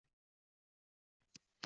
Ochilmasmi eshigi keng xonaqoning.